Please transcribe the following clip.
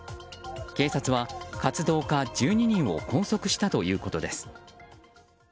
警察は、活動家１２人を拘束したということです。